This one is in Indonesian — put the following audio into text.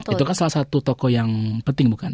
itu kan salah satu toko yang penting